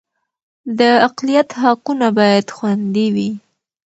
د اقلیت حقونه باید خوندي وي